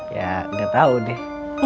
ya gak tau deh